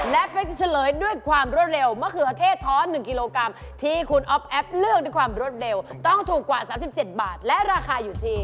และเป๊กจะเฉลยด้วยความรวดเร็วมะเขือเทศท้อน๑กิโลกรัมที่คุณอ๊อฟแอฟเลือกด้วยความรวดเร็วต้องถูกกว่า๓๗บาทและราคาอยู่ที่